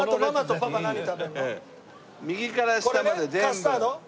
カスタード？